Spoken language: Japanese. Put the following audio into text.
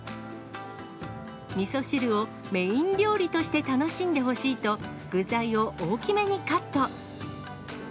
みそ汁をメイン料理として楽しんでほしいと、具材を大きめにカット。